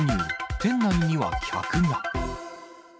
店内には客が。